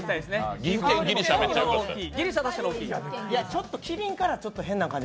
ちょっとキリンから変な感じに。